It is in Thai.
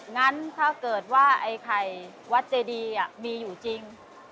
งั้นถ้าเกิดว่าไอ้ไข่วัดเจดีมีอยู่จริง